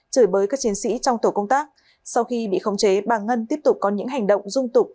chửi bới các chiến sĩ trong tổ công tác sau khi bị khống chế bà ngân tiếp tục có những hành động dung tục